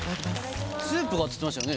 「スープが」っつってましたよね